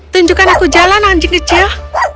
tunjukkan aku jalan anjing kecil